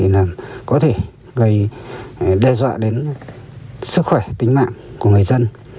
là có thể gây đe dọa đến sức khỏe tính mạng của người dân